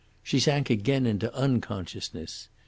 She sank again into unconsciousness.